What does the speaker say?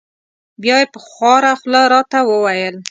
بیا یې په خواره خوله را ته و ویل: